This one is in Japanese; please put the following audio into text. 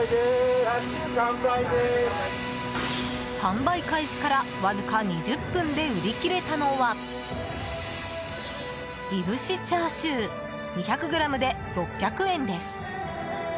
販売開始からわずか２０分で売り切れたのは燻しチャーシュー２００ｇで６００円です。